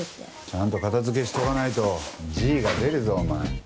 ちゃんと片付けしておかないとＧが出るぞお前。